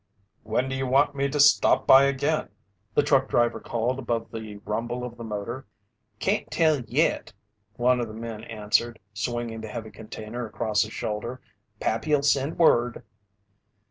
"When do you want me to stop by again?" the truck driver called above the rumble of the motor. "Can't tell yet," one of the men answered, swinging the heavy container across his shoulder. "Pappy'll send word."